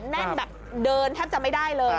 แน่นแบบเดินแทบจะไม่ได้เลย